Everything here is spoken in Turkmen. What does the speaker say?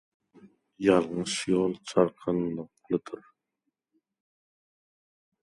Ýalňyş ýol çarkandaklydyr